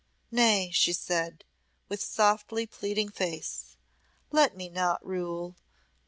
"Nay," she said, with softly pleading face, "let me not rule.